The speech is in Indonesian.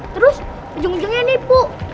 terus ujung ujungnya nipu